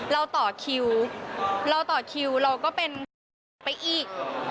เราต่อคิวเราก็เป็นไปอีก